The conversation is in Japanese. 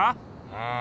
うん。